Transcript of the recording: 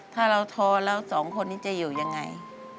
ถ้าเราท้อแล้วสองคนนี้จะอยู่ยังไง